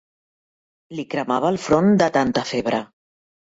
Li cremava el front de tanta febre.